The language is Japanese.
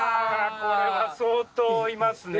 これは相当いますね。